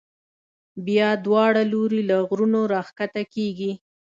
بیا دواړه لوري له غرونو را کښته کېږي.